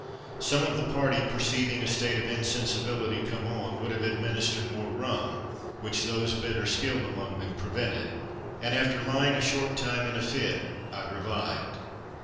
Some of the party perceiving a state of insensibility come on, would have administered more rum, which those better skilled among them prevented; and after lying a short time in a fit, I revived.